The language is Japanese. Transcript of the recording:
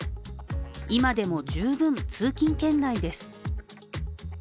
今でも、十分通勤圏内です。